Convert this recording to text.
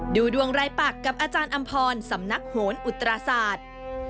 ดูดวงรายปักกับอาจารย์อำพรสำนักโหนอุตราศาสตร์